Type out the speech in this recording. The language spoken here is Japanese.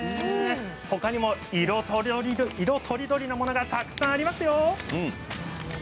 他にも色とりどりのものがたくさんありますよ。